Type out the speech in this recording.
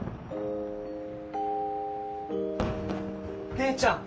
・・姉ちゃん！